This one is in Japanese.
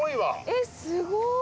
えっすごい。